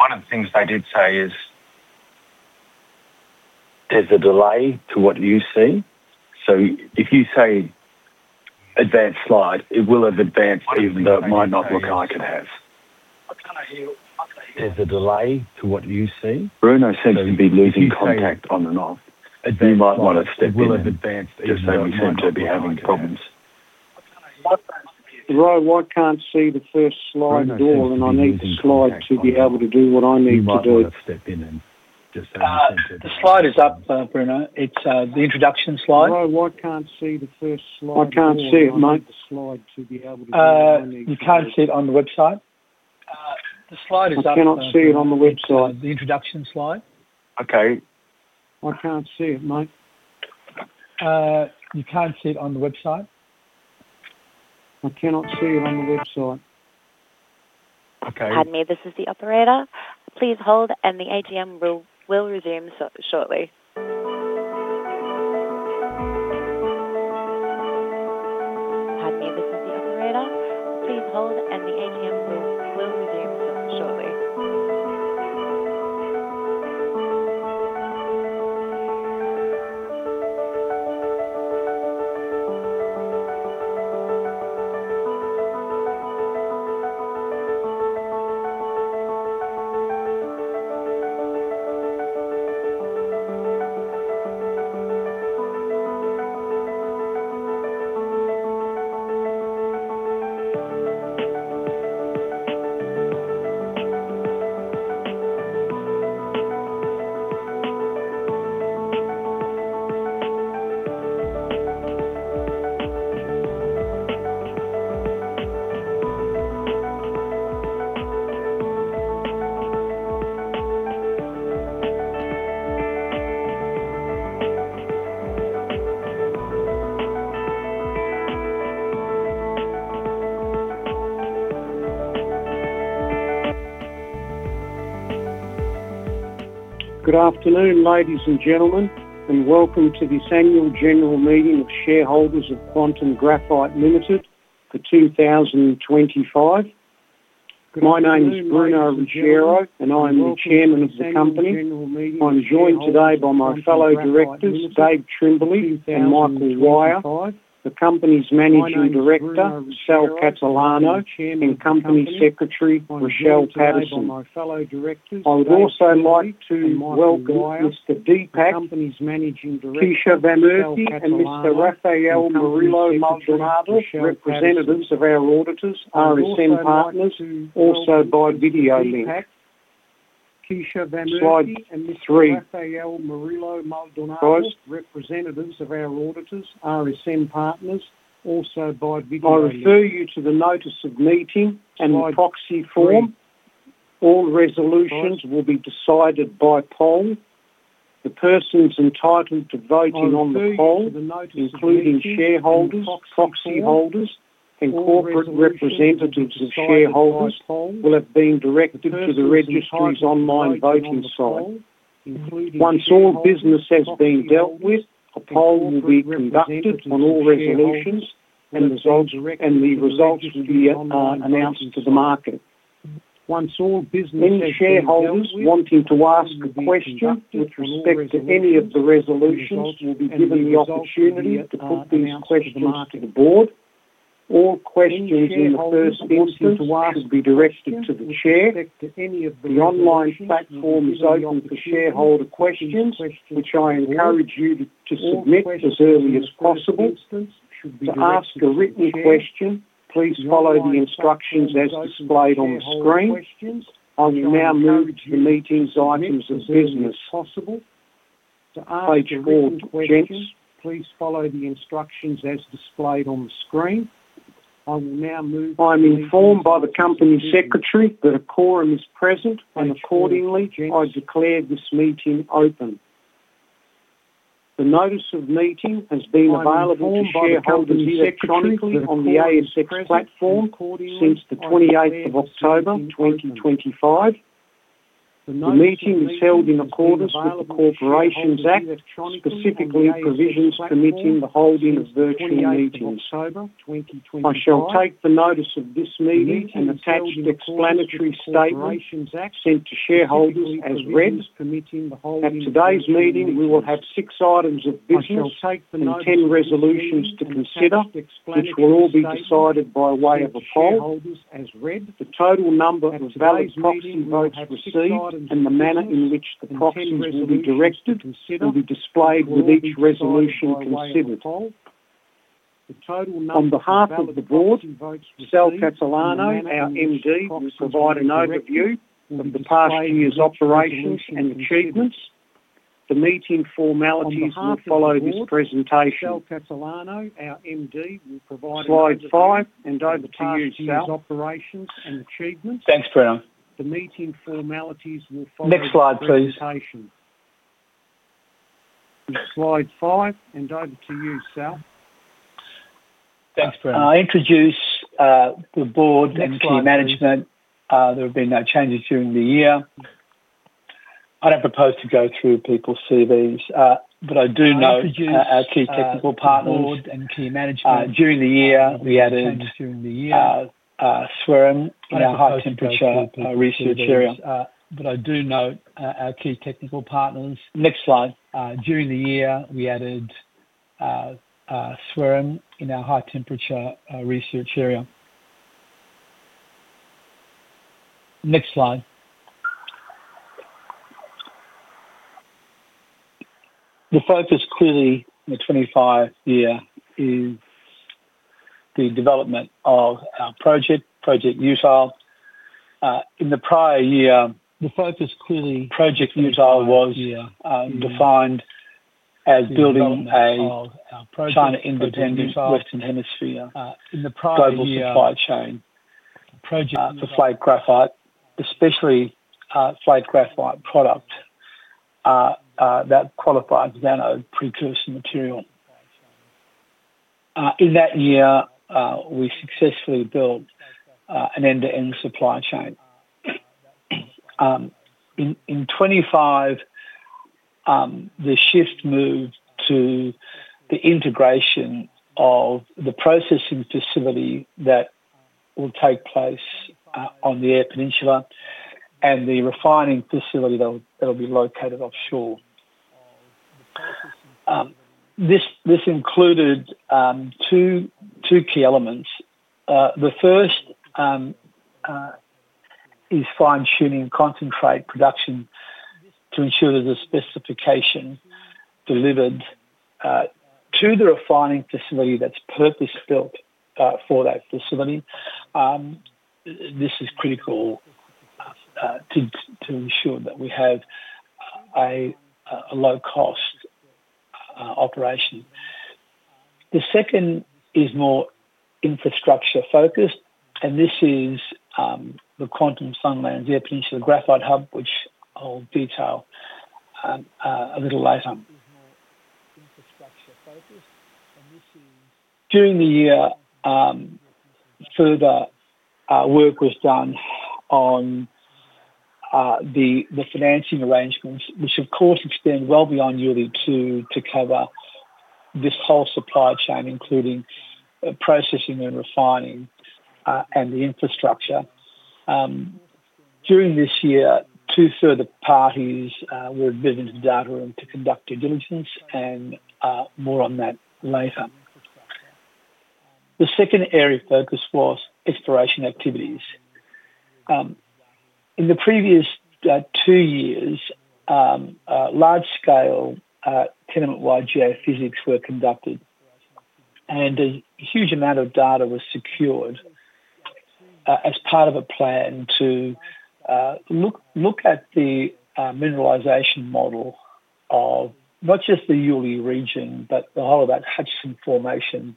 One of the things I did say is, there's a delay to what you see. If you say, "Advanced slide," it will have advanced even though it might not look like it has. There's a delay to what you see. Bruno seems to be losing contact on and off. You might want to step in. It will have advanced even though. Just so we seem to be having problems. Roy, why can't you see the first slide at all? I need the slide to be able to do what I need to do. Why can't you step in and just have a chance at it? The slide is up, Bruno. It's the introduction slide. Roy, why can't you see the first slide? I can't see it, mate. You need the slide to be able to do what I need to do. You can't see it on the website? The slide is up, mate. I cannot see it on the website. The introduction slide? Okay. I can't see it, mate. You can't see it on the website? I cannot see it on the website. I'm Mia, this is the operator. Please hold, and the AGM will resume shortly. I'm Mia, this is the operator. Please hold, and the AGM will resume shortly. Good afternoon, ladies and gentlemen, and welcome to this Annual General Meeting of Shareholders of Quantum Graphite Limited for 2025. My name is Bruno Ruggiero, and I am the Chairman of the company. I'm joined today by my fellow Directors, David Trimboli and Michael Wyer, the Company's Managing Director, Sal Catalano, and Company Secretary, Rochelle Pattison. I would also like to welcome Mr. Deepak Keshavamurthy, and Mr. Rafael Morillo Maldonado, representatives of our auditors, RSM Partners, also by video link. I refer you to the notice of meeting and the proxy form. All resolutions will be decided by poll. The persons entitled to voting on the poll, including shareholders, proxy holders, and corporate representatives of shareholders, will have been directed to the registry's online voting site. Once all business has been dealt with, a poll will be conducted on all resolutions, and the results will be announced to the market. Any shareholders wanting to ask a question with respect to any of the resolutions will be given the opportunity to put these questions to the board. All questions in the first instance will be directed to the chair. The online platform is open for shareholder questions, which I encourage you to submit as early as possible. To ask a written question, please follow the instructions as displayed on the screen. I will now move to the meeting's items of business. Page four, James, please follow the instructions as displayed on the screen. I'm informed by the Company Secretary that a quorum is present, and accordingly, I declare this meeting open. The Notice of Meeting has been available to shareholders electronically on the ASX platform since the 28th of October, 2025. The meeting is held in accordance with the Corporations Act, specifically provisions permitting the holding of virtual meetings. I shall take the Notice of this Meeting and attached the Explanatory Statement sent to Shareholders as read. At today's meeting, we will have six items of business and 10 resolutions to consider, which will all be decided by way of a poll. The total number of valid proxy votes received and the manner in which the proxies will be directed will be displayed with each resolution considered. On behalf of the Board, Sal Catalano, our MD, will provide an overview of the past year's operations and achievements. The meeting formalities will follow this presentation. Slide five and over to you, Sal. Thanks, Bruno. Next slide, please. Slide five and over to you, Sal. Thanks, Bruno. I introduce the board and key management. There have been no changes during the year. I don't propose to go through people's CVs, but I do note our key technical partners. During the year, we added Swerim AB in our high-temperature research area. Next slide. The focus clearly in the 2025 year is the development of our project, Project UTILE. In the prior year, the focus clearly Project UTILE was defined as building a China-independent Western Hemisphere global supply chain. For Uley graphite, especially Uley graphite product, that qualifies as our precursor material. In that year, we successfully built an end-to-end supply chain. In 2025, the shift moved to the integration of the processing facility that will take place on the Eyre Peninsula and the refining facility that will be located offshore. This included two key elements. The first is fine-tuning and concentrate production to ensure that the specification delivered to the refining facility is purpose-built for that facility. This is critical to ensure that we have a low-cost operation. The second is more infrastructure-focused, and this is the Quantum-Sunlands Eyre Peninsula Graphite Hub, which I'll detail a little later. During the year, further work was done on the financing arrangements, which, of course, extend well beyond year two to cover this whole supply chain, including processing and refining and the infrastructure. During this year, two further parties were admitted to the data room to conduct due diligence, and more on that later. The second area of focus was exploration activities. In the previous two years, large-scale tenement-wide geophysics were conducted, and a huge amount of data was secured as part of a plan to look at the mineralization model of not just the Uley region, but the whole of that Hutchison formation,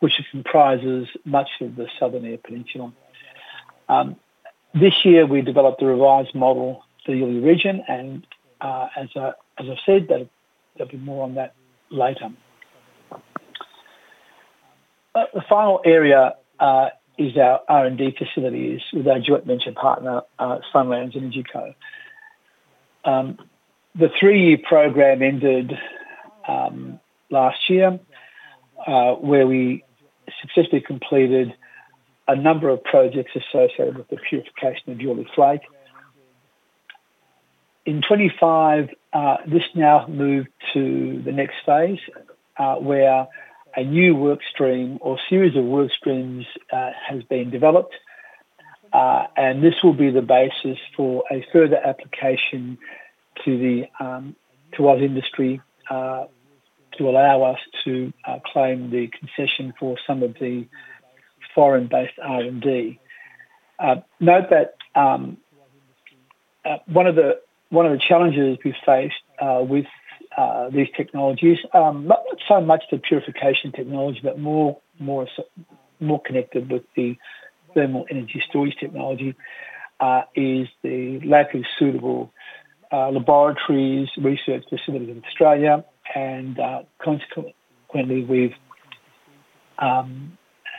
which comprises much of the southern Eyre Peninsula. This year, we developed the revised model for the Uley region, and as I've said, there'll be more on that later. The final area is our R&D facilities with our joint venture partner, Sunlands Energy Co. The three-year program ended last year, where we successfully completed a number of projects associated with the purification of Uley flake graphite. In 2025, this now moved to the next phase, where a new workstream or series of workstreams has been developed, and this will be the basis for a further application to our industry to allow us to claim the concession for some of the foreign-based R&D. Note that one of the challenges we've faced with these technologies, not so much the purification technology, but more connected with the thermal energy storage technology, is the lack of suitable laboratories, research facilities in Australia, and consequently, we've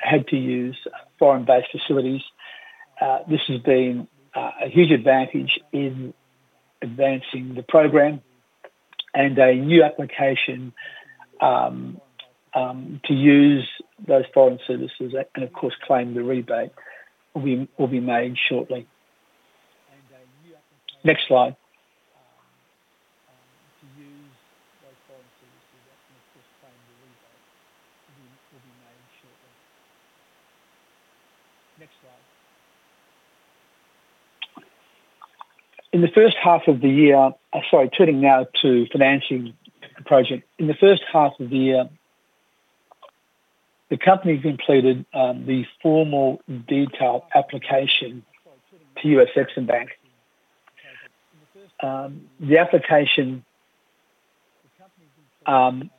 had to use foreign-based facilities. This has been a huge advantage in advancing the program, and a new application to use those foreign services and, of course, claim the rebate will be made shortly. Next slide. To use those foreign services and, of course, claim the rebate will be made shortly. Next slide. In the first half of the year—sorry, turning now to financing the project—in the first half of the year, the company completed the formal detailed application to US EXIM Bank. The application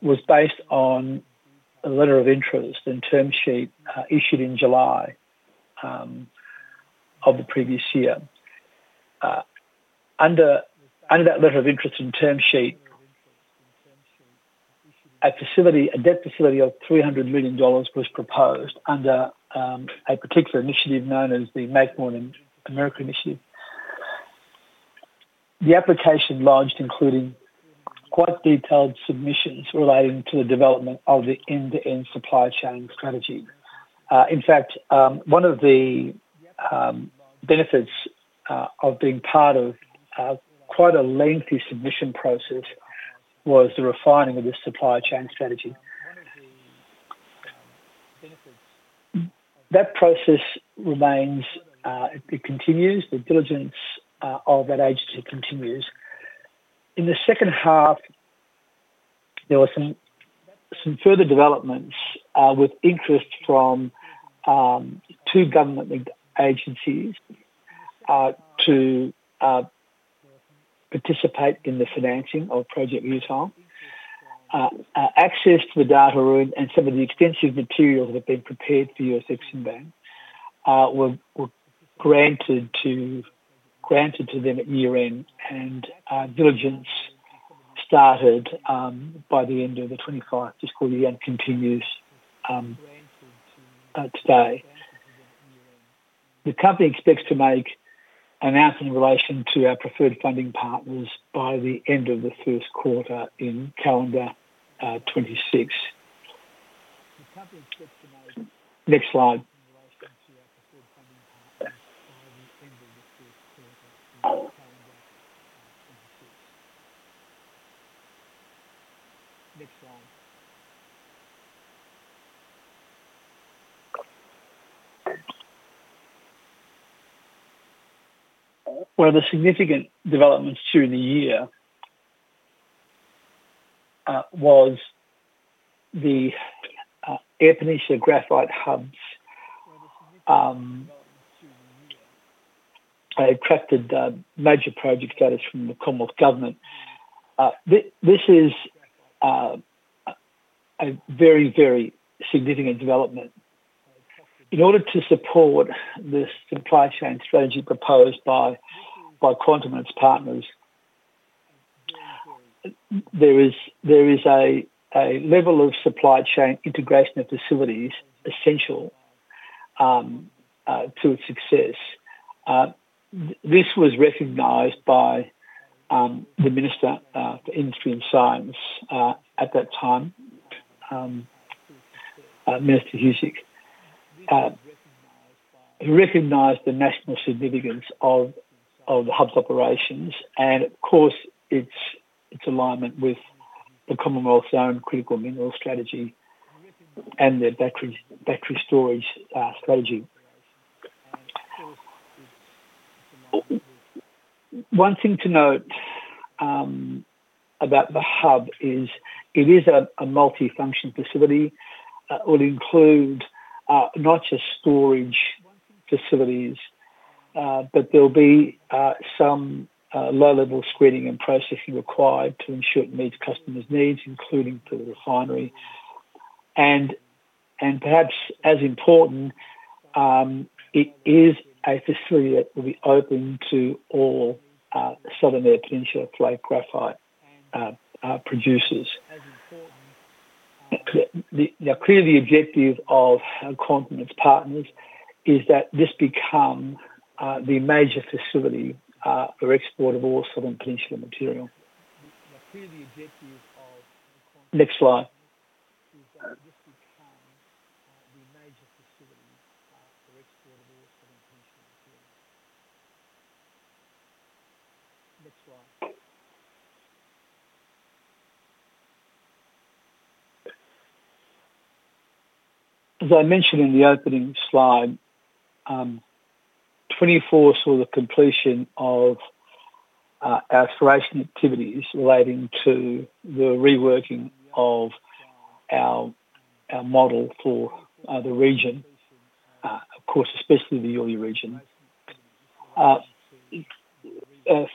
was based on a letter of interest and term sheet issued in July of the previous year. Under that letter of interest and term sheet, a debt facility of $300 million was proposed under a particular initiative known as the Make More in America Initiative. The application launched, including quite detailed submissions relating to the development of the end-to-end supply chain strategy. In fact, one of the benefits of being part of quite a lengthy submission process was the refining of the supply chain strategy. That process continues. The diligence of that agency continues. In the second half, there were some further developments with interest from two government agencies to participate in the financing of Project UTILE. Access to the data room and some of the extensive materials that have been prepared for US EXIM Bank were granted to them at year-end, and diligence started by the end of the 2025 fiscal year and continues today. The company expects to make an announcement in relation to our preferred funding partners by the end of the first quarter in calendar 2026. Next slide. One of the significant developments during the year was the Eyre Peninsula Graphite Hub's crafted Major Project Status from the Commonwealth Government. This is a very, very significant development. In order to support the supply chain strategy proposed by Quantum and its partners, there is a level of supply chain integration of facilities essential to its success. This was recognized by the Minister for Industry and Science at that time, Minister Ed Husic. He recognized the national significance of the hub's operations and, of course, its alignment with the Commonwealth's own critical mineral strategy and their battery storage strategy. One thing to note about the hub is it is a multifunction facility. It will include not just storage facilities, but there will be some low-level screening and processing required to ensure it meets customers' needs, including for the refinery. Perhaps as important, it is a facility that will be open to all southern Eyre Peninsula Uley graphite producers. Now, clearly, the objective of Quantum and its partners is that this become the major facility for export of all southern peninsular material. Next slide. As I mentioned in the opening slide, 2024 saw the completion of our exploration activities relating to the reworking of our model for the region, of course, especially the Uley region.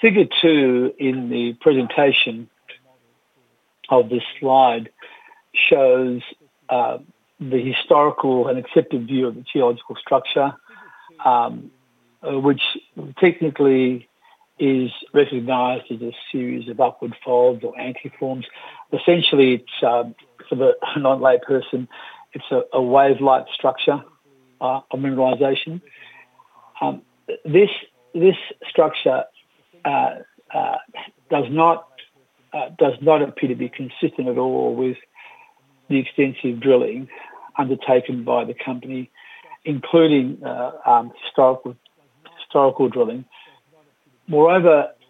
Figure two in the presentation of this slide shows the historical and accepted view of the geological structure, which technically is recognized as a series of upward folds or antiforms. Essentially, for the non-lay person, it's a wave-like structure of mineralization. This structure does not appear to be consistent at all with the extensive drilling undertaken by the company, including historical drilling. Moreover,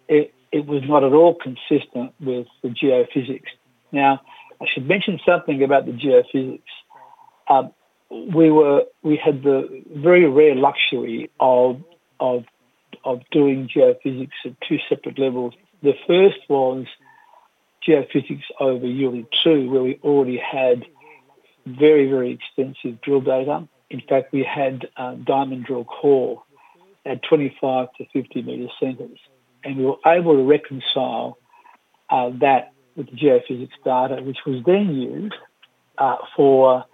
it was not at all consistent with the geophysics. Now, I should mention something about the geophysics. We had the very rare luxury of doing geophysics at two separate levels. The first was geophysics over Uley 2, where we already had very, very extensive drill data. In fact, we had diamond drill core at 25-50 m centers. And we were able to reconcile that with the geophysics data, which was then used for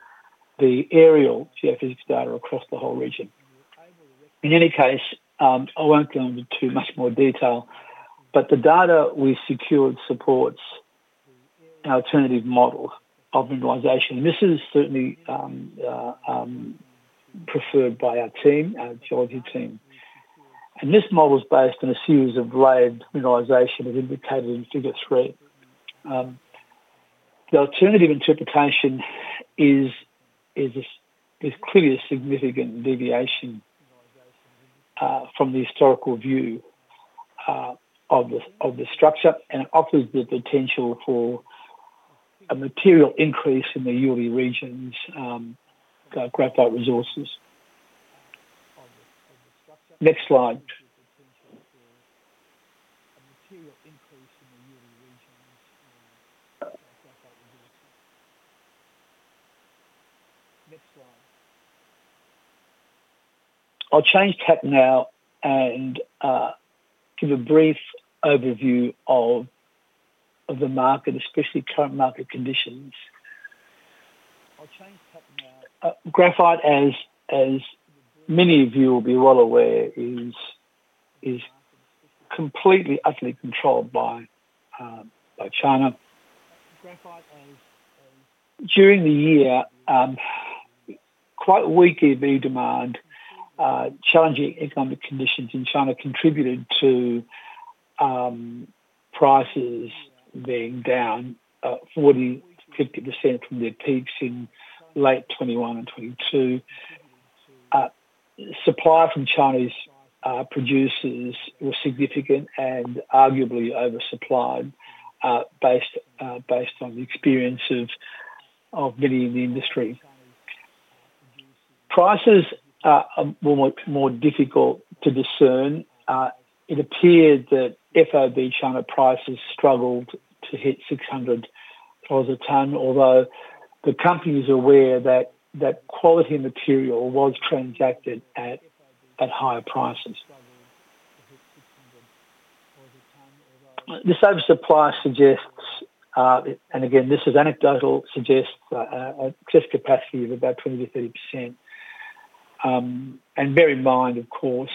the aerial geophysics data across the whole region. In any case, I won't go into too much more detail, but the data we secured supports an alternative model of mineralization. This is certainly preferred by our team, our geology team. This model is based on a series of layered mineralization as indicated in figure three. The alternative interpretation is clearly a significant deviation from the historical view of the structure, and it offers the potential for a material increase in the Uley region's graphite resources. Next slide. I will change tack now and give a brief overview of the market, especially current market conditions. Graphite, as many of you will be well aware, is completely utterly controlled by China. During the year, quite weak EV demand, challenging economic conditions in China contributed to prices being down 40%-50% from their peaks in late 2021 and 2022. Supply from Chinese producers was significant and arguably oversupplied based on the experience of many in the industry. Prices were more difficult to discern. It appeared that FOB China prices struggled to hit $600 a ton, although the company is aware that quality material was transacted at higher prices. The surface supply suggests, and again, this is anecdotal, suggests a test capacity of about 20%-30%. Bear in mind, of course,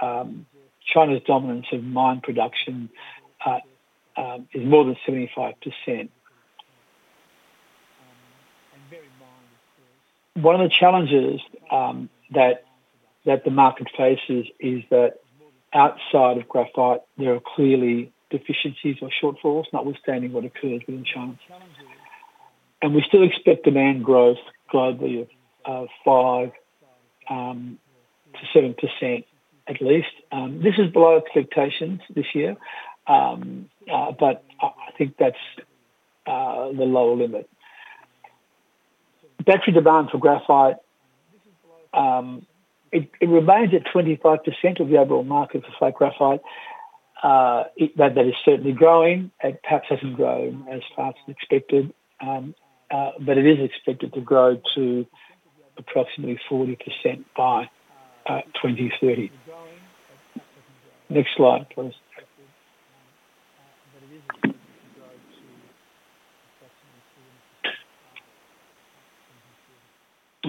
China's dominance of mine production is more than 75%. One of the challenges that the market faces is that outside of graphite, there are clearly deficiencies or shortfalls, notwithstanding what occurs within China. We still expect demand growth globally of 5%-7% at least. This is below expectations this year, but I think that's the lower limit. Battery Demand for graphite, it remains at 25% of the overall market for slate graphite. That is certainly growing. It perhaps hasn't grown as fast as expected, but it is expected to grow to approximately 40% by 2030. Next slide, please.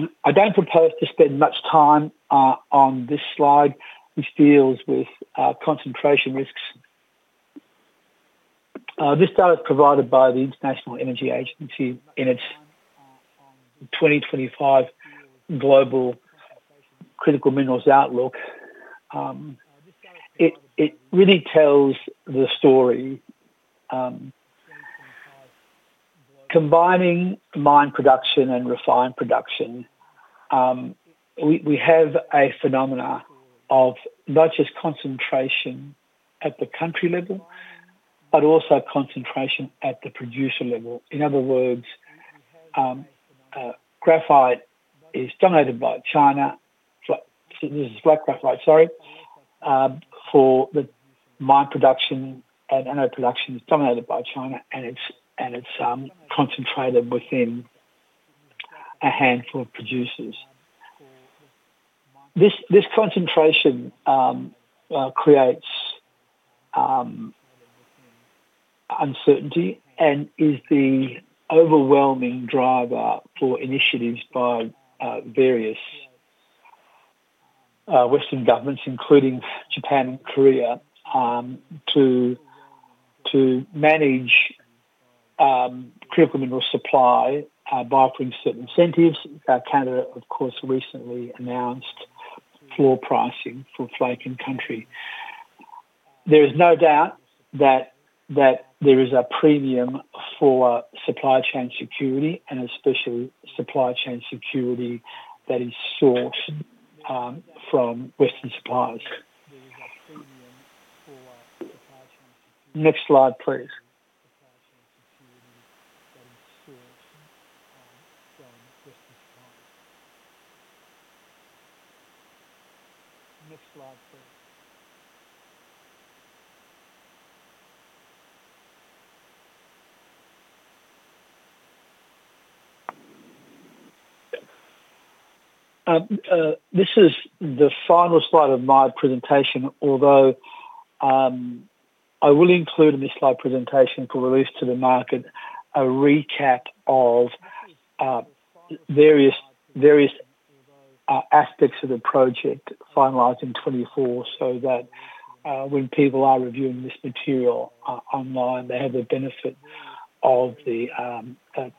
It is expected to grow to approximately 40% by 2030. I don't propose to spend much time on this slide, which deals with concentration risks. This data is provided by the International Energy Agency in its 2025 Global Critical Minerals Outlook. It really tells the story. Combining mine production and refined production, we have a phenomenon of not just concentration at the country level, but also concentration at the producer level. In other words, graphite is dominated by China—this is Uley graphite, sorry—for the mine production and anode production is dominated by China, and it's concentrated within a handful of producers. This concentration creates uncertainty and is the overwhelming driver for initiatives by various Western governments, including Japan and Korea, to manage critical mineral supply by offering certain incentives. Canada, of course, recently announced floor pricing for flake and country. There is no doubt that there is a premium for supply chain security and especially supply chain security that is sought from Western suppliers. Next slide, please. This is the final slide of my presentation, although I will include in this slide presentation for release to the market a recap of various aspects of the project finalized in 2024 so that when people are reviewing this material online, they have the benefit of the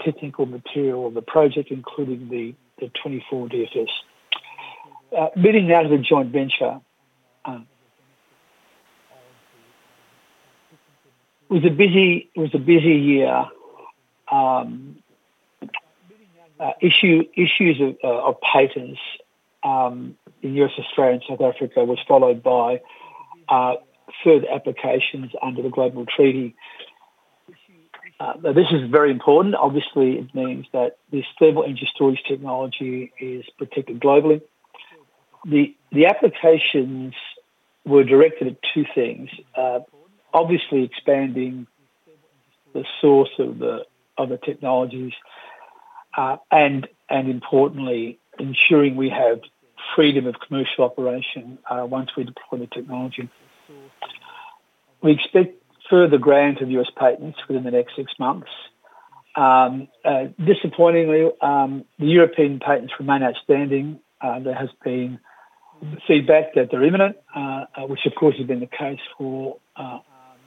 technical material of the project, including the 2024 DFS. Meeting now to the joint venture. It was a busy year. Issues of patents in the U.S., Australia, and South Africa were followed by further applications under the global treaty. Now, this is very important. Obviously, it means that this thermal energy storage technology is protected globally. The applications were directed at two things: obviously expanding the source of the technologies and, importantly, ensuring we have freedom of commercial operation once we deploy the technology. We expect further grants of U.S. patents within the next six months. Disappointingly, the European patents remain outstanding. There has been feedback that they're imminent, which, of course, has been the case for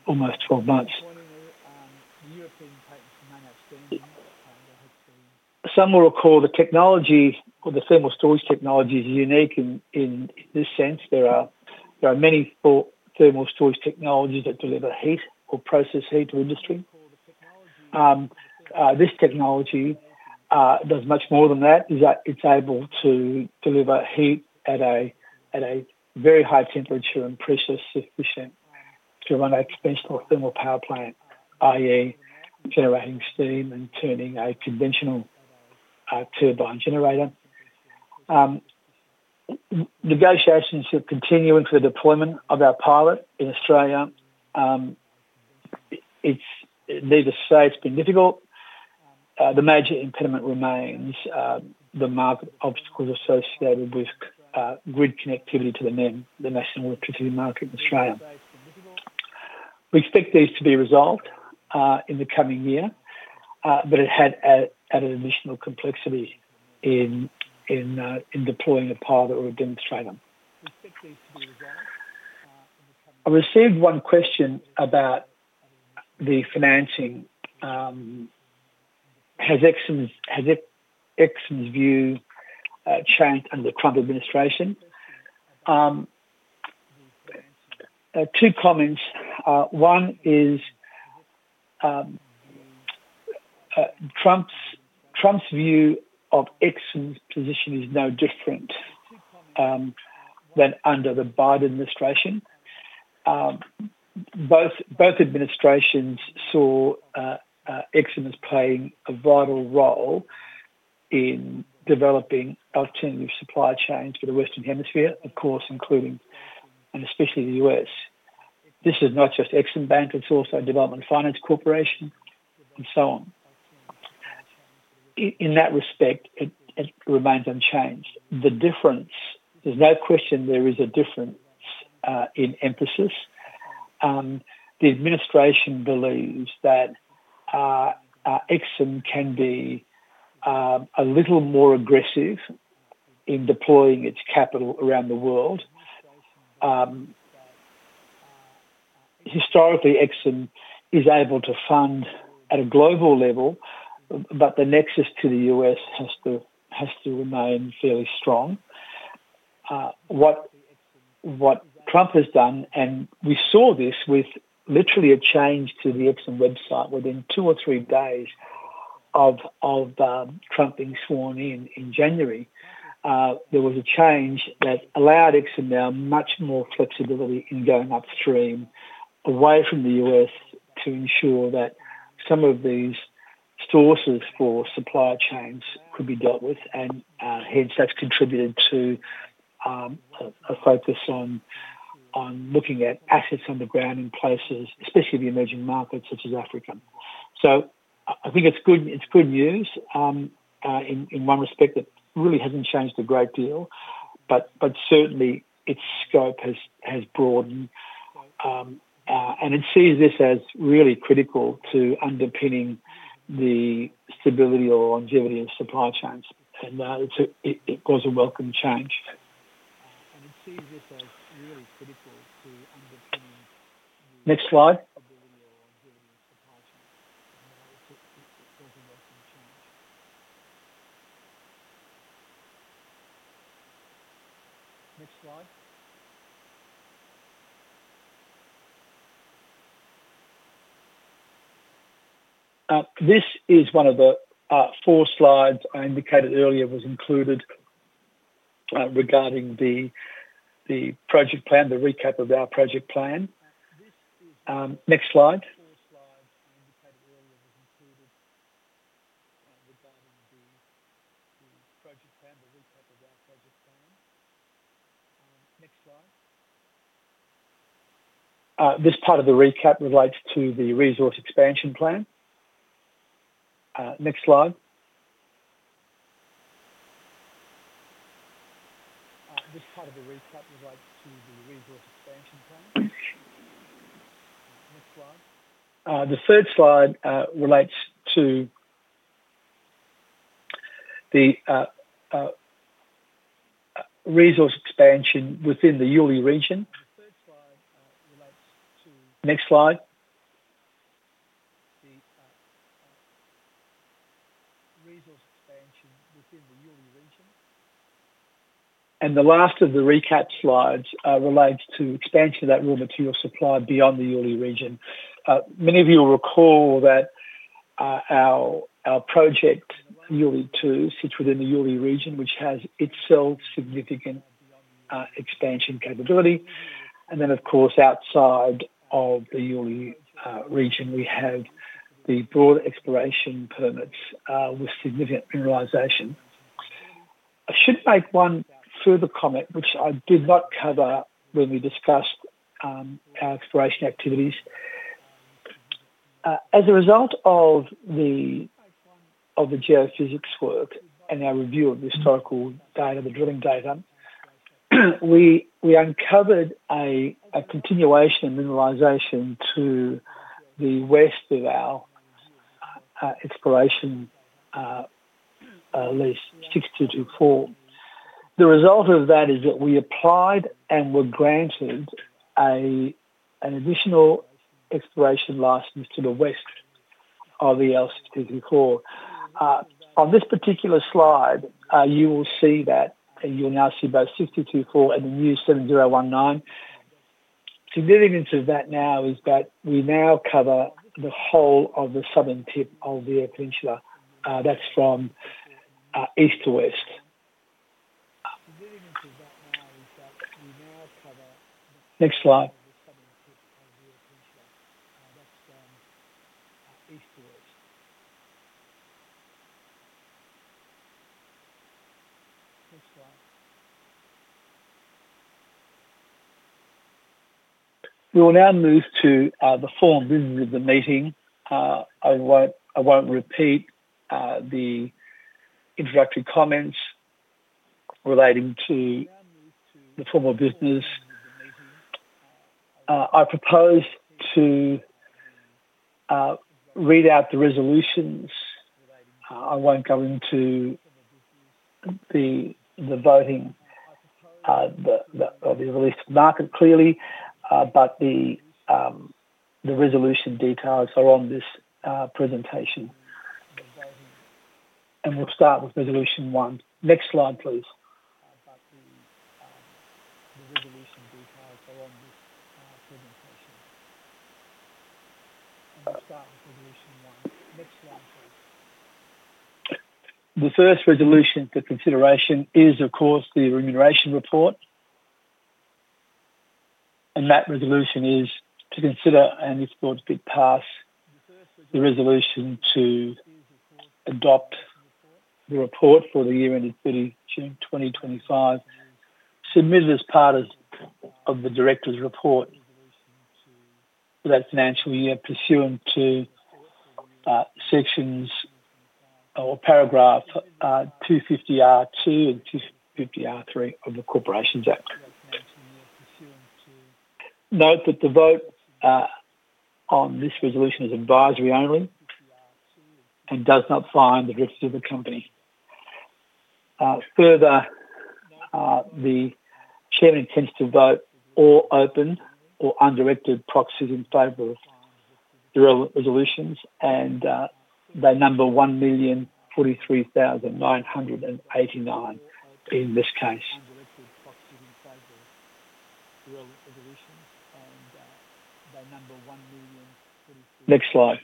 almost 12 months. Some will recall the technology or the thermal storage technology is unique in this sense. There are many thermal storage technologies that deliver heat or process heat to industry. This technology does much more than that. It's able to deliver heat at a very high temperature and pressure sufficient to run a conventional thermal power plant, i.e., generating steam and turning a conventional turbine generator. Negotiations are continuing for the deployment of our pilot in Australia. Needless to say, it's been difficult. The major impediment remains the market obstacles associated with grid connectivity to the National Electricity Market in Australia. We expect these to be resolved in the coming year, but it had added additional complexity in deploying a pilot or a demonstrator. I received one question about the financing. Has US EXIM Bank's view changed under Trump administration? Two comments. One is Trump's view of US EXIM Bank's position is no different than under the Biden administration. Both administrations saw US EXIM Bank as playing a vital role in developing alternative supply chains for the Western Hemisphere, of course, including and especially the U.S. This is not just US EXIM Bank. It's also a development finance corporation and so on. In that respect, it remains unchanged. There's no question there is a difference in emphasis. The administration believes that Exxon can be a little more aggressive in deploying its capital around the world. Historically, Exxon is able to fund at a global level, but the nexus to the U.S. has to remain fairly strong. What Trump has done, we saw this with literally a change to the Exxon website within two or three days of Trump being sworn in in January, there was a change that allowed Exxon now much more flexibility in going upstream away from the U.S. to ensure that some of these sources for supply chains could be dealt with. Hence, that's contributed to a focus on looking at assets on the ground in places, especially the emerging markets such as Africa. I think it's good news in one respect that really hasn't changed a great deal, but certainly its scope has broadened. It sees this as really critical to underpinning the stability or longevity of supply chains. It was a welcome change. Next slide. This is one of the four slides I indicated earlier was included regarding the project plan, the recap of our project plan. Next slide. This part of the recap relates to the resource expansion plan. Next slide. The third slide relates to the resource expansion within the Uley region. Next slide. The last of the recap slides relates to expansion of that raw material supply beyond the Uley region. Many of you will recall that our project, Uley 2, sits within the Uley region, which has itself significant expansion capability. Of course, outside of the Uley region, we have the broader exploration permits with significant mineralization. I should make one further comment, which I did not cover when we discussed our exploration activities. As a result of the geophysics work and our review of the historical data, the drilling data, we uncovered a continuation of mineralization to the west of our exploration lease 6224. The result of that is that we applied and were granted an additional exploration license to the west of the 6224. On this particular slide, you will see that, and you'll now see both 6224 and the new 7019. Significance of that now is that we now cover the whole of the southern tip of the peninsula. That's from east to west. Next slide. That's from east to west. Next slide. We will now move to the form of business of the meeting. I won't repeat the introductory comments relating to the form of business of the meeting. I propose to read out the resolutions. I won't go into the voting of the released market clearly, but the resolution details are on this presentation. We'll start with resolution one. Next slide, please. The resolution details are on this presentation. We'll start with resolution one. Next slide, please. The first resolution for consideration is, of course, the remuneration report. That resolution is to consider and it's brought to be passed, the resolution to adopt the report for the year end of 2025, submitted as part of the director's report for that financial year pursuant to sections or paragraph 250(r)(2) and 250(r)(3) of the Corporations Act. Note that the vote on this resolution is advisory only and does not bind the directors of the company. Further, the Chairman intends to vote all open or undirected proxies in favor of the resolutions, and they number 1,043,989 in this case. Next slide.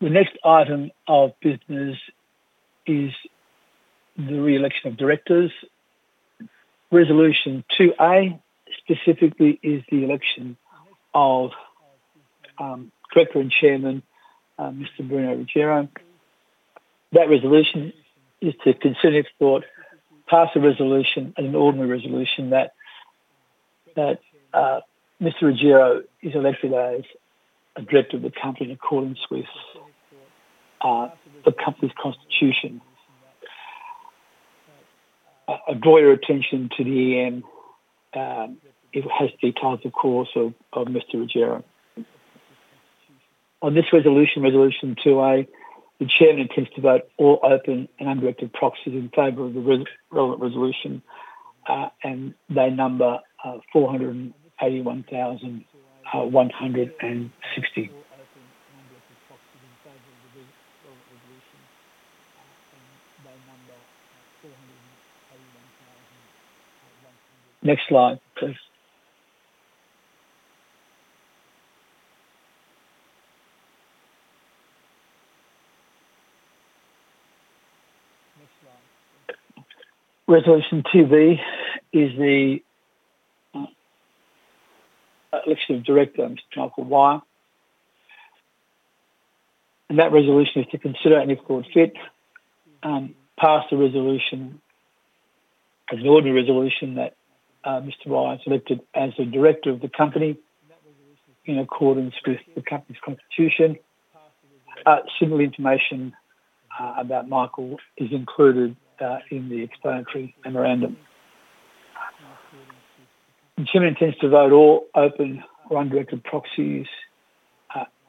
The next item of business is the re-election of directors. Resolution 2(a), specifically, is the election of Director and Chairman, Mr. Bruno Ruggiero. That resolution is to consider and support, pass a resolution and an ordinary resolution that Mr. Ruggiero is elected as a director of the company according to the company's constitution. I draw your attention to the EM, it has details, of course, of Mr. Ruggiero. On this resolution, Resolution 2(a), the Chairman intends to vote all open and undirected proxies in favor of the relevant resolution, and they number 481,160. Next slide, please. Next slide. Resolution 2(b) is the election of Director, Mr. Michael Wyer. That resolution is to consider and, if appropriate, pass the resolution as an ordinary resolution that Mr. Wyer is elected as the director of the company in accordance with the company's constitution. Similar information about Michael is included in the explanatory memorandum. The Chairman intends to vote all open or undirected proxies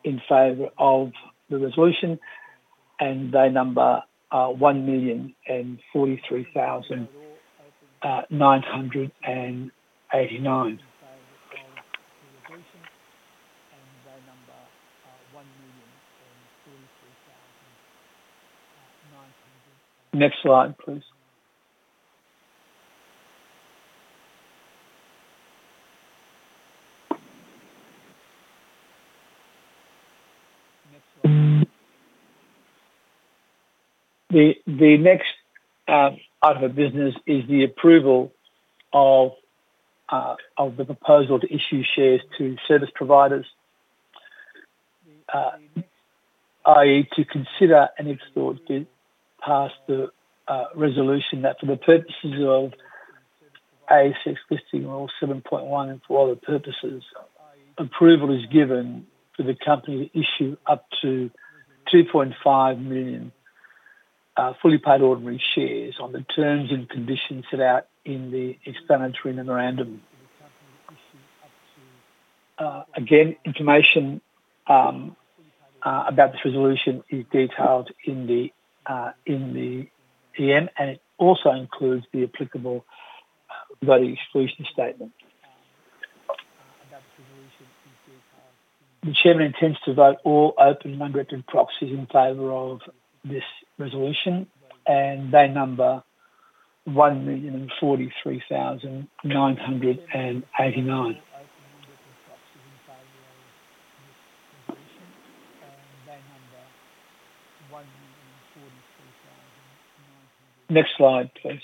in favor of the resolution, and they number 1,043,989. Next slide, please. The next item of business is the approval of the proposal to issue shares to service providers, i.e., to consider and, if appropriate, pass the resolution that for the purposes of ASX Listing Rule 7.1A and for other purposes, approval is given for the company to issue up to 2.5 million fully paid ordinary shares on the terms and conditions set out in the Explanatory Memorandum. Again, information about this resolution is detailed in the EM, and it also includes the applicable voting exclusion statement. The Chairman intends to vote all open and undirected proxies in favor of this resolution, and they number 1,043,989. Next slide, please.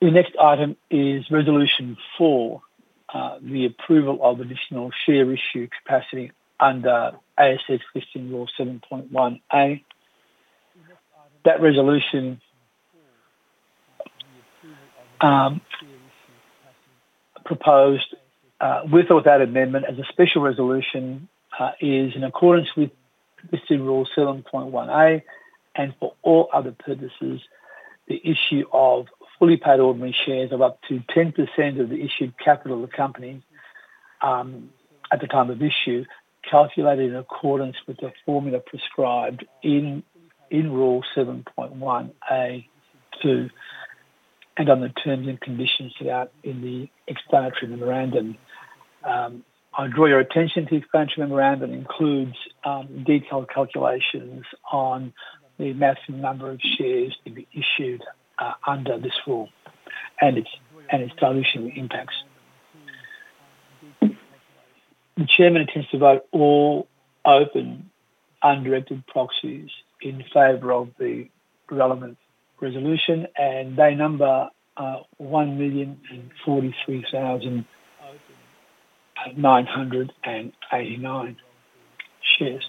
The next item is resolution 4, the approval of additional share issue capacity under ASX Listing Rule 7.1A. That resolution proposed, with or without amendment, as a special resolution is in accordance with Rule 7.1A and for all other purposes, the issue of fully paid ordinary shares of up to 10% of the issued capital of the company at the time of issue calculated in accordance with the formula prescribed in Rule 7.1A.2 and on the terms and conditions set out in the explanatory memorandum. I draw your attention to the explanatory memorandum that includes detailed calculations on the maximum number of shares to be issued under this rule and its dilution impacts. The chairman intends to vote all open undirected proxies in favor of the relevant resolution, and they number 1,043,989 shares.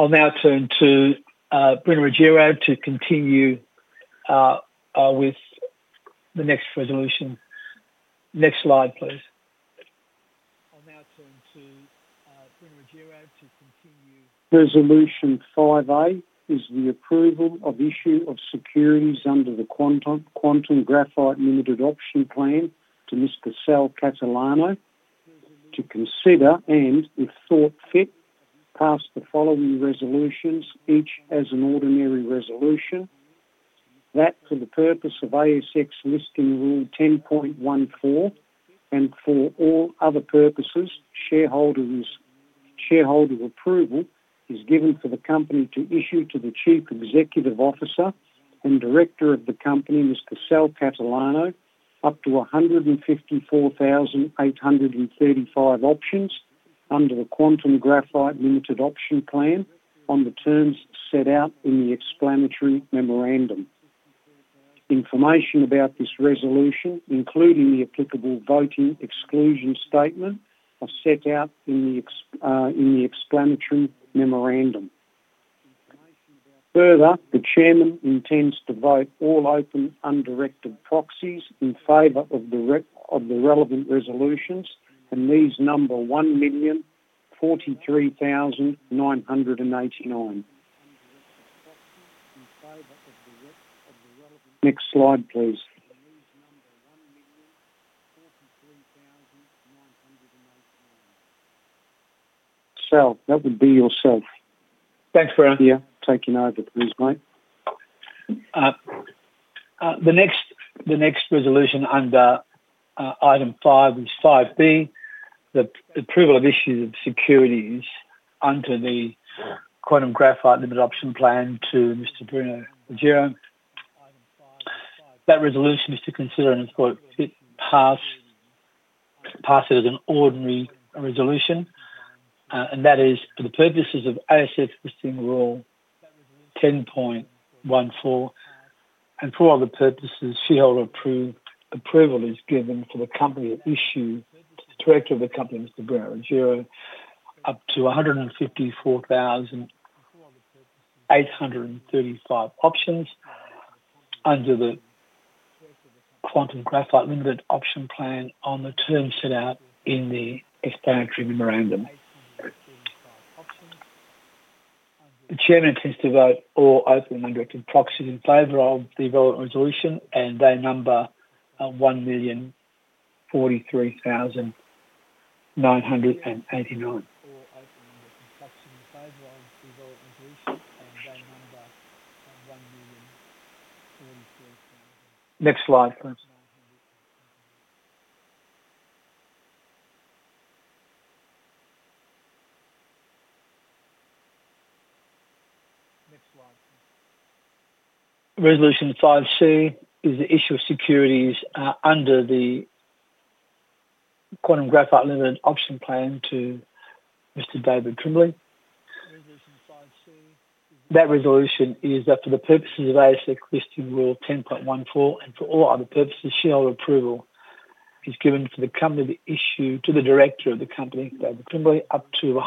I'll now turn to Bruno Ruggiero to continue with the next resolution. Next slide, please. Resolution 5(a), which is the approval of issue of securities under the Quantum Graphite Limited Option Plan to Mr. Sal Catalano to consider and, if thought fit, pass the following resolutions, each as an ordinary resolution. That for the purpose of ASX Listing Rule 10.14 and for all other purposes, shareholder approval is given for the company to issue to the Chief Executive Officer and Director of the Company, Mr. Sal Catalano, up to 154,835 options under the Quantum Graphite Limited Option Plan on the terms set out in the Explanatory Memorandum. Information about this resolution, including the applicable voting exclusion statement, are set out in the explanatory memorandum. Further, the Chairman intends to vote all open undirected proxies in favor of the relevant resolutions, and these number 1,043,989. Next slide, please. Sal, that would be yourself. Thanks for taking over, please, mate. The next Resolution under item 5 and 5(b), the approval of issue of securities under the Quantum Graphite Limited Option Plan to Mr. Bruno Ruggiero. That resolution is to consider and if thought fit, pass it as an ordinary resolution. That is for the purposes of ASX Listing Rule 10.14 and for all other purposes, shareholder approval is given for the company to issue to the director of the company, Mr. Bruno Ruggiero, up to 154,835 options under the Quantum Graphite Limited Option Plan on the terms set out in the explanatory memorandum. The Chairman intends to vote all open and undirected proxies in favor of the relevant resolution, and they number 1,043,989. Next slide, please. Resolution 5(c) is the issue of securities under the Quantum Graphite Limited Option Plan to Mr. David Trimboli. That resolution is that for the purposes of ASX Listing Rule 10.14 and for all other purposes, shareholder approval is given for the company to issue to the Director of the company, David Trimboli, up to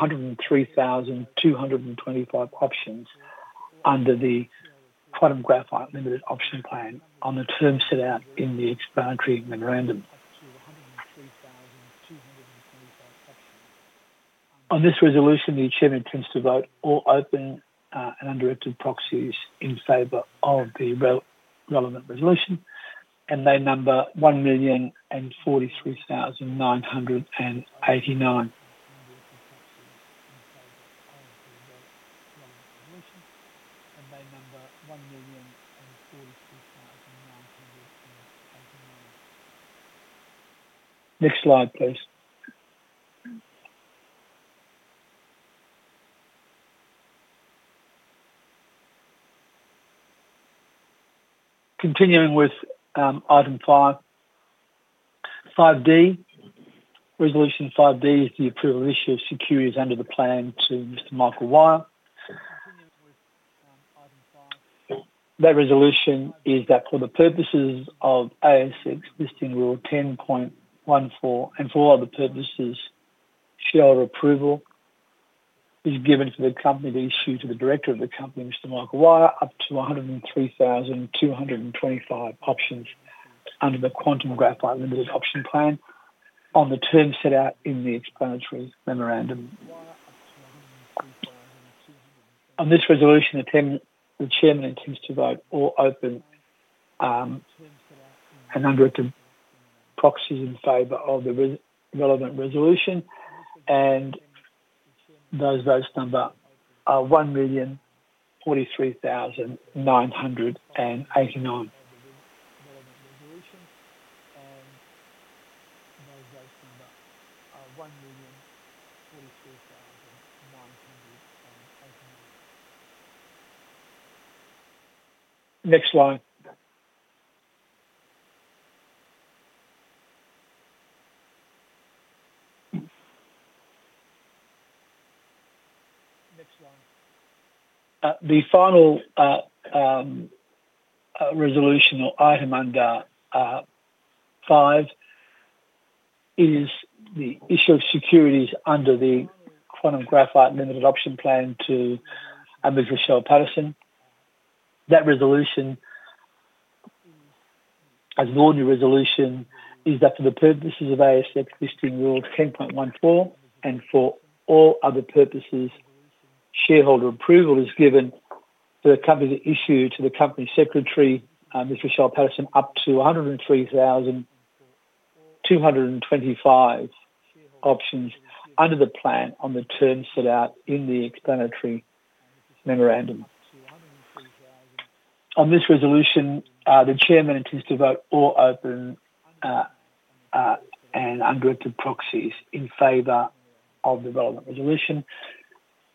103,225 options under the Quantum Graphite Limited Option Plan on the terms set out in the Explanatory Memorandum. On this resolution, the Chairman intends to vote all open and undirected proxies in favor of the relevant resolution, and they number 1,043,989. They number 1,043,989. Next slide, please. Continuing with item 5(d), Resolution 5(d) is the approval of issue of securities under the plan to Mr. Michael Wyer. That resolution is that for the purposes of ASX Listing Rule 10.14 and for all other purposes, shareholder approval is given for the company to issue to the director of the company, Mr. Michael Wyer, up to 103,225 options under the Quantum Graphite Limited Option Plan on the terms set out in the Explanatory Memorandum. On this resolution, the Chairman intends to vote all open and undirected proxies in favor of the relevant resolution, and those votes number 1,043,989. Next slide. The final resolution or item under 5 is the issue of securities under the Quantum Graphite Limited Option Plan to Mr. Sal Catalano. That resolution, as an ordinary resolution, is that for the purposes of ASX Listing Rule 10.14 and for all other purposes, shareholder approval is given for the company to issue to the Company Secretary, Ms. Rochelle Pattison, up to 103,225 options under the plan on the terms set out in the Explanatory Memorandum. On this resolution, the Chairman intends to vote all open and undirected proxies in favor of the relevant resolution,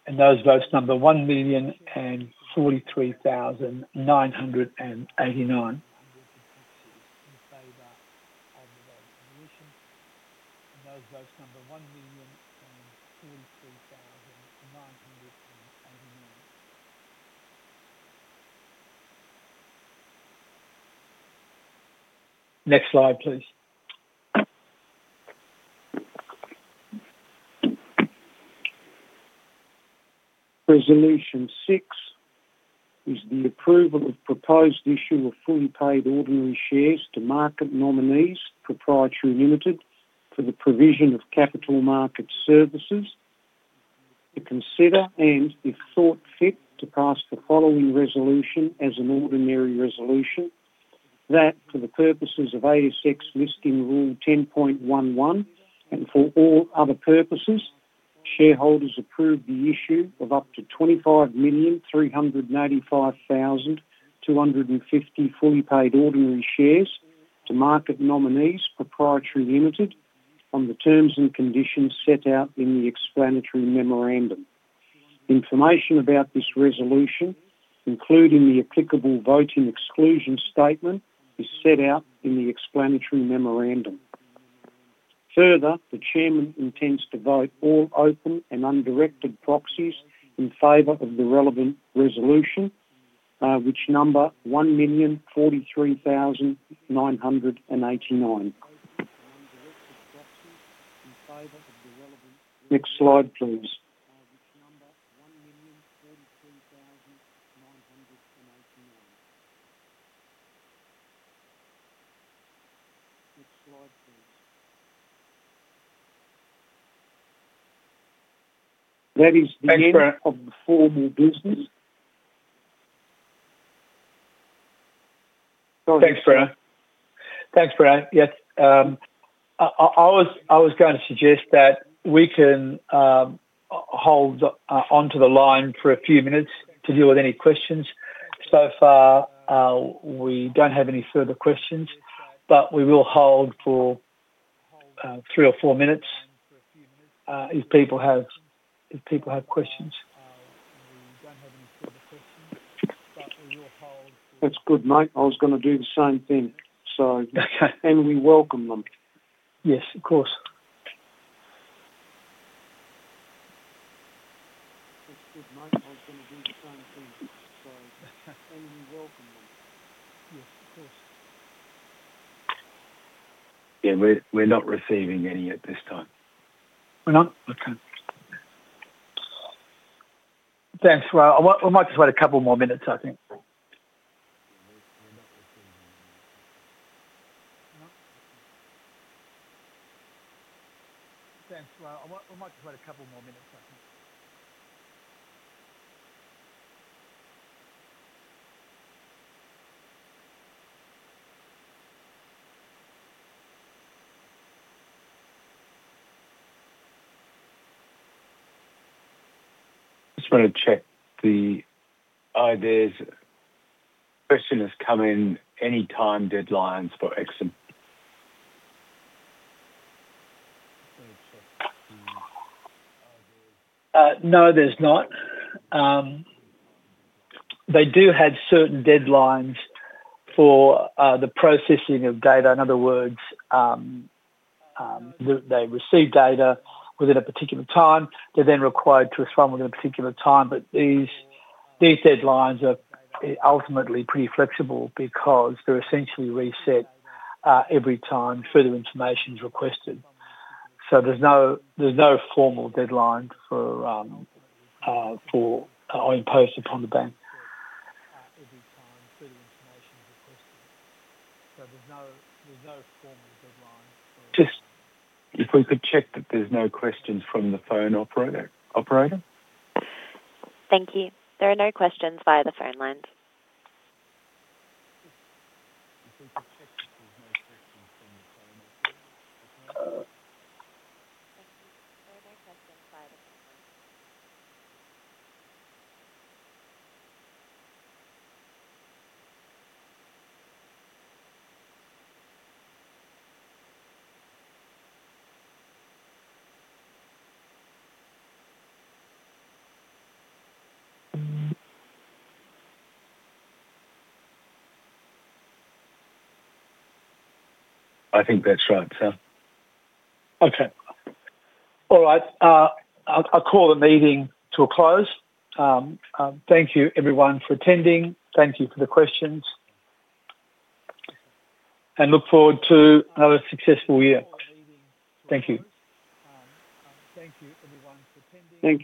and those votes number 1,043,989. Next slide, please. Resolution 6 is the approval of proposed issue of fully paid ordinary shares to Market Nominees Pty Ltd for the Provision of Capital Market Services. To consider and if thought fit, to pass the following resolution as an ordinary resolution that for the purposes of ASX Listing Rule 10.11 and for all other purposes, shareholders approve the issue of up to 25,385,250 fully paid ordinary shares to Market Nominees Pty Ltd on the terms and conditions set out in the Explanatory Memorandum. Information about this resolution, including the applicable voting exclusion statement, is set out in the Explanatory Memorandum. Further, the Chairman intends to vote all open and undirected proxies in favor of the relevant resolution, which number 1,043,989. Next slide, please. That is the end of the formal business. Thanks, Bruno. Yes. I was going to suggest that we can hold onto the line for a few minutes to deal with any questions. So far, we do not have any further questions, but we will hold for three or four minutes if people have questions. We do not have any further questions, but we will hold for. That is good, mate. I was going to do the same thing. And we welcome them. Yes, of course. That is good, mate. I was going to do the same thing. And we welcome them. Yes, of course. Yeah, we are not receiving any at this time. We are not? Okay. Thanks, Bruno. We might just wait a couple more minutes, I think. Thanks, Bruno. We might just wait a couple more minutes, I think. Just want to check the question has come in, any time deadlines for US EXIM Bank? No, there's not. They do have certain deadlines for the processing of data. In other words, they receive data within a particular time. They're then required to respond within a particular time. But these deadlines are ultimately pretty flexible because they're essentially reset every time further information is requested. There's no formal deadline imposed upon the bank. There's no formal deadline for. Just if we could check that there's no questions from the phone operator. Thank you. There are no questions via the phone line. If we could check that there's no questions from the phone operator. Thank you. There are no questions via the phone line. I think that's right, Sal. Okay. All right. I'll call the meeting to a close. Thank you, everyone, for attending. Thank you for the questions. I look forward to another successful year. Thank you. Thank you, everyone, for attending.